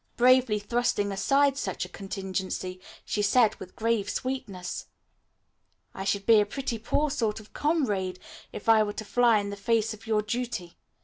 Bravely thrusting aside such a contingency she said with grave sweetness: "I should be a pretty poor sort of comrade if I were to fly in the face of your duty.